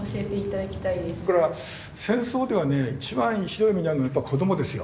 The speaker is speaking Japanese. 戦争ではね一番ひどい目に遭うのがやっぱ子どもですよ。